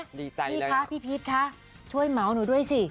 พี่คะพี่พีชคะช่วยเมาส์หนูด้วยสิ